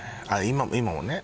今もね